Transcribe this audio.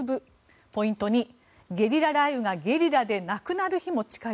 ポイント２、ゲリラ雷雨がゲリラでなくなる日も近い？